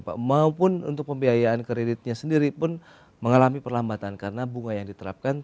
maupun untuk pembiayaan kreditnya sendiri pun mengalami perlambatan karena bunga yang diterapkan